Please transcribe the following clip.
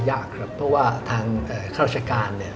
ยากครับเพราะว่าทางราชการเนี่ย